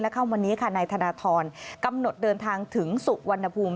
ค่ำวันนี้ค่ะนายธนทรกำหนดเดินทางถึงสุวรรณภูมิ